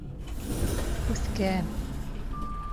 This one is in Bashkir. Үҫкән.